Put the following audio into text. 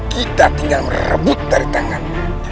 kita tinggal merebut dari tangan